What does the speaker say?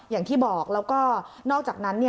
อย่างที่บอกแล้วก็นอกจากนั้น